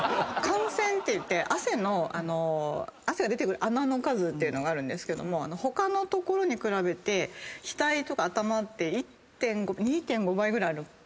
汗腺っていって汗が出てくる穴の数っていうのがあるんですけど他の所に比べて額とか頭って１．５２．５倍ぐらいあるかな。